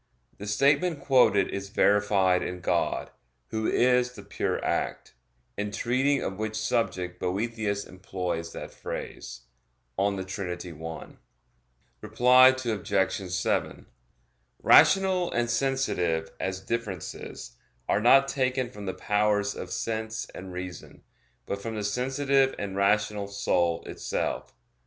The statement quoted is verified in God, Who is the Pure Act; in treating of which subject Boethius employs that phrase (De Trin. i). Reply Obj. 7: Rational and sensitive, as differences, are not taken from the powers of sense and reason, but from the sensitive and rational soul itself.